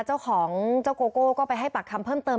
เจ้าของเจ้าโกโก้ก็ไปให้ปากคำเพิ่มเติม